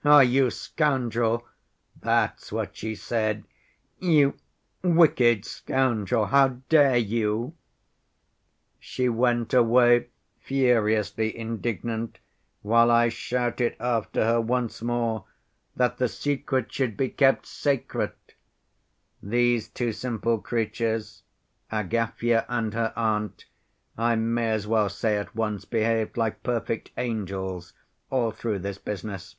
" 'Ah, you scoundrel!'—that's what she said. 'You wicked scoundrel! How dare you!' "She went away furiously indignant, while I shouted after her once more that the secret should be kept sacred. Those two simple creatures, Agafya and her aunt, I may as well say at once, behaved like perfect angels all through this business.